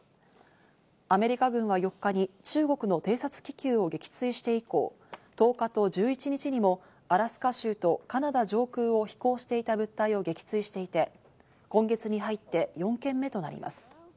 アメリカ軍は４日に中国の偵察気球を撃墜して以降、１０日と１１日にもアラスカ州とカナダ上空を飛行していた物体を撃墜していて、今月に入って４件目となります。